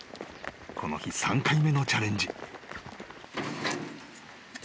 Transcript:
［この日３回目のチャレンジ］